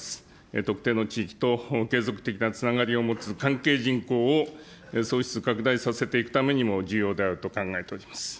特定の地域と継続的なつながりを持つ、関係人口を創出拡大させていくためにも、重要であると考えております。